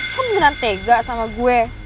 aku beneran tega sama gue